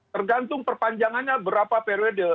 tergantung perpanjangannya berapa periode